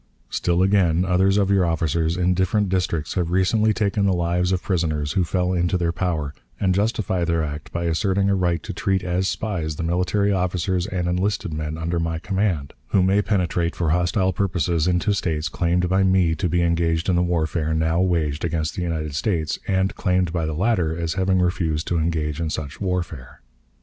"Still, again, others of your officers in different districts have recently taken the lives of prisoners who fell into their power, and justify their act by asserting a right to treat as spies the military officers and enlisted men under my command, who may penetrate for hostile purposes into States claimed by me to be engaged in the warfare now waged against the United States, and claimed by the latter as having refused to engage in such warfare.